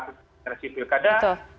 persisian hasil sengketa pilkada